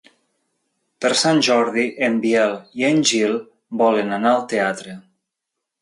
Per Sant Jordi en Biel i en Gil volen anar al teatre.